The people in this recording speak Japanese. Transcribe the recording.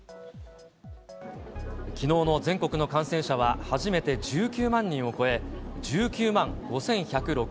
きのうの全国の感染者は、初めて１９万人を超え、１９万５１６０人。